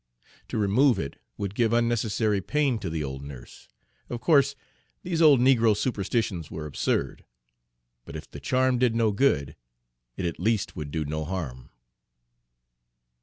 To remove it would give unnecessary pain to the old nurse. Of course these old negro superstitions were absurd, but if the charm did no good, it at least would do no harm.